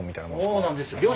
そうなんですよ。へ。